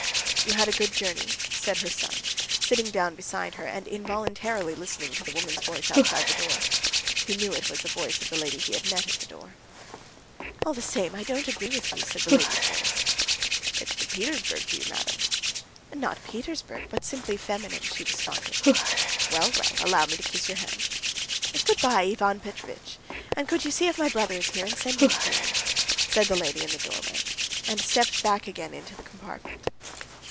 "You had a good journey?" said her son, sitting down beside her, and involuntarily listening to a woman's voice outside the door. He knew it was the voice of the lady he had met at the door. "All the same I don't agree with you," said the lady's voice. "It's the Petersburg view, madame." "Not Petersburg, but simply feminine," she responded. "Well, well, allow me to kiss your hand." "Good bye, Ivan Petrovitch. And could you see if my brother is here, and send him to me?" said the lady in the doorway, and stepped back again into the compartment.